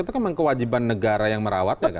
itu kan memang kewajiban negara yang merawat ya kan